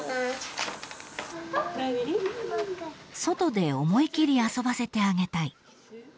［外で思い切り遊ばせてあげたい］